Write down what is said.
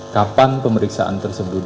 kapan pemeriksaan tersebut